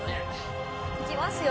いきますよ。